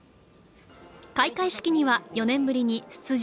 開会式には４年ぶりに出場